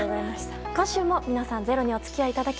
今週も「ｚｅｒｏ」にお付き合いいただき